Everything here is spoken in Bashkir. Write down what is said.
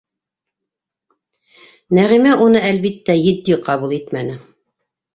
Нәғимә уны, әлбиттә, етди ҡабул итмәне.